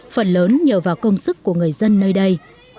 phần lớn nhờ vào công sức của người dân nơi đây